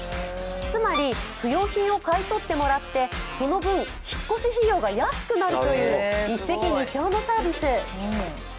つまり不用品を買い取ってもらってその分、引っ越し費用が安くなるという一石二鳥のサービス。